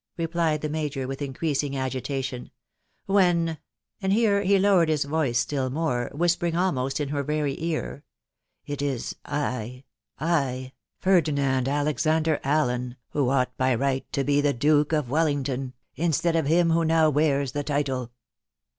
" replied the major with increasing agitation, Ci when ",... and here he lowered his voice still more, whispering almost in her very ear, " it is I — I, — Ferdinand Alexander Allen, who ought by right to be the Duke of Wellington, instead of him who now wears the title